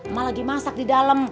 malah lagi masak di dalam